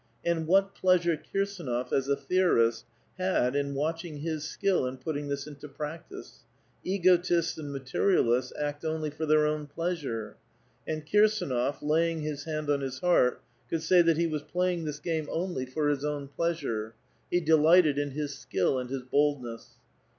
And what pleasure KirsAnof, as a theorist, had in watching his skill in putting this into practice. Egotists and materialists act only for their own pleasure ! And Kirsdnof, laying his hand on his heart, could say that he was playing this game only for A VITAL QUESTION. 229 his. own pleasure. Ho delighted in his skill and his bold ness.